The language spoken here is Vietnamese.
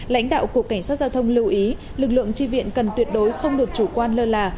lãnh đạo cục cảnh sát giao thông lưu ý lực lượng tri viện cần tuyệt đối không được chủ quan lơ là